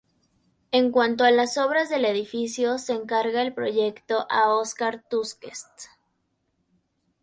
En cuanto a las obras del edificio se encarga el proyecto a Óscar Tusquets.